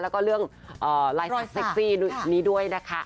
แล้วก็เรื่องลายสุดเซ็กซี่นี้ด้วยนะคะ